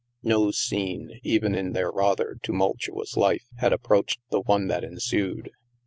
No scene, even in their rather tumultuous life, had approached the one that ensued.